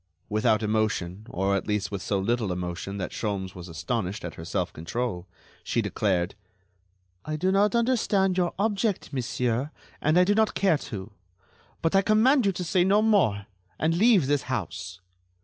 Without emotion, or at least with so little emotion that Sholmes was astonished at her self control, she declared: "I do not understand your object, monsieur, and I do not care to; but I command you to say no more and leave this house."